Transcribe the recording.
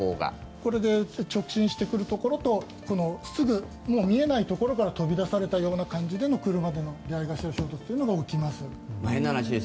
これで直進してくるところとすぐ見えないところから飛び出されたような感じでの車との出合い頭の衝突が起きます。